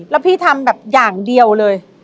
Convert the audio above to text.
แล้วพี่ทำแบบอย่างเดียวเลย